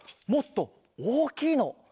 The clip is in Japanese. もっとおおきいの。